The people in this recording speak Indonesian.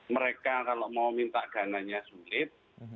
mereka kalau mau minta dananya sulit